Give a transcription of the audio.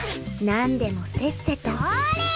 なんでもせっせとそれ！！